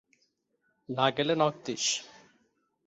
না গেলে knock this.